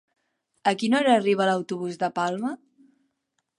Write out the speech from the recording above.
A quina hora arriba l'autobús de Palma?